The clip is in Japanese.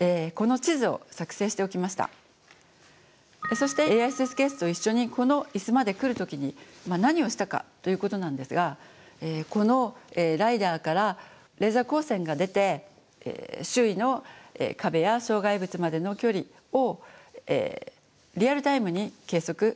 そしてＡＩスーツケースと一緒にこの椅子まで来る時に何をしたかということなんですがこのライダーからレーザー光線が出て周囲の壁や障害物までの距離をリアルタイムに計測しました。